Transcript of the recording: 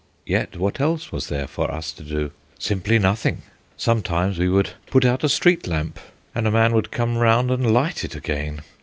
Yet, what else was there for us to do? Simply nothing. Sometimes we would put out a street lamp, and a man would come round and light it again.